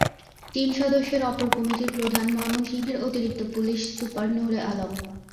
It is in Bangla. তিন সদস্যের অপর কমিটির প্রধান ময়মনসিংহের অতিরিক্ত পুলিশ সুপার নুরে আলম।